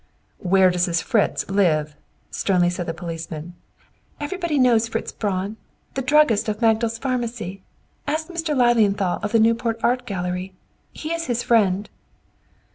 "Where does this Fritz live?" sternly said the policeman. "Everybody knows Fritz Braun, the druggist of Magdal's Pharmacy. Ask Mr. Lilienthal of the Newport Art Gallery. He is his friend."